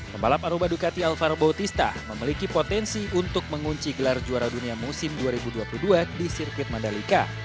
pembalap aroba ducati alvaro bautista memiliki potensi untuk mengunci gelar juara dunia musim dua ribu dua puluh dua di sirkuit mandalika